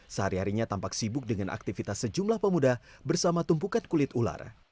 sehari harinya tampak sibuk dengan aktivitas sejumlah pemuda bersama tumpukan kulit ular